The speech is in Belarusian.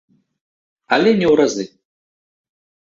Але не ў разы.